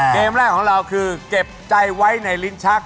เกมแรกของเราคือเก็บใจไว้ในลิ้นชัก